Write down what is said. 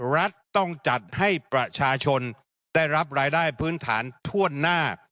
รัฐต้องจัดให้ประชาชนได้รับรายได้พื้นฐานทั่วหน้า